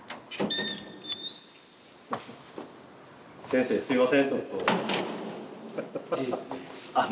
先生すいませんちょっとハハハハ。